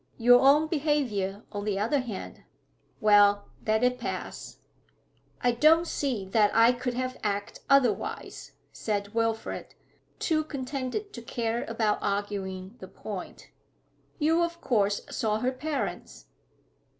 Your own behaviour, on the other hand well, let it pass.' 'I don't see that I could have acted otherwise,' said Wilfrid, too contented to care about arguing the point. 'You of course saw her parents?'